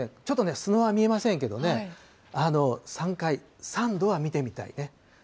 ちょっとね、砂は見えませんけどね、３回、３度は見てみたいね。